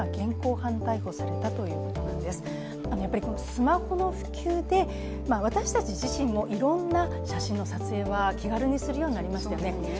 スマホの普及で私たち自身もいろんな写真を気軽にするようになりましたよね。